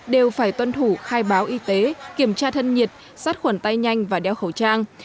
đều phải tuân thủ khai báo y tế kiểm tra thân nhiệt sát khuẩn tay nhanh và đeo khẩu trang